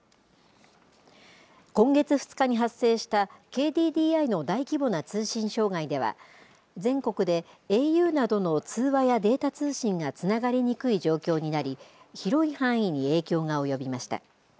今月２日に発生したＫＤＤＩの大規模な通信障害では、全国でａｕなどの通話やデータ通信がつながりにくい状況になり、広い範囲に影響が及びました。